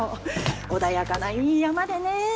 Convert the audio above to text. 穏やかないい山でね。